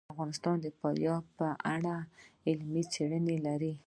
افغانستان د فاریاب په اړه علمي څېړنې لري.